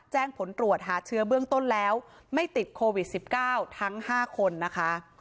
แจ้งผลตรวจหาเชื้อเบื้องต้นแล้วไม่ติดโควิด๑๙ทั้ง๕คนนะคะ